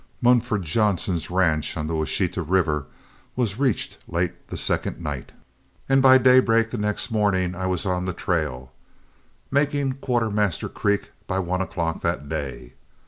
Mumford Johnson's ranch on the Washita River was reached late the second night, and by daybreak the next morning I was on the trail, making Quartermaster Creek by one o'clock that day.